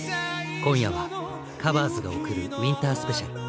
今夜は「ＴｈｅＣｏｖｅｒｓ」が贈る「ウインタースペシャル」。